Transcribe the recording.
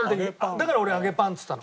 だから俺揚げパンって言ったの。